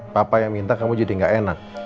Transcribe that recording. bapak yang minta kamu jadi enggak enak